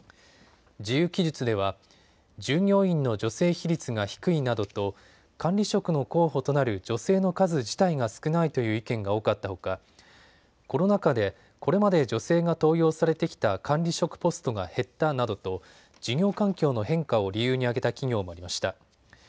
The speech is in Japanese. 自由記述では従業員の女性比率が低いなどと管理職の候補となる女性の数自体が少ないという意見が多かったほか、コロナ禍でこれまで女性が登用されてきた管理職ポストが減ったなどと事業環境の変化を理由に挙げた企業もありました。